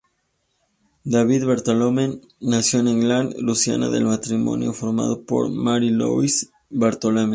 Davis Bartholomew nació en Edgard, Luisiana, del matrimonio formado por Mary y Louis Bartholomew.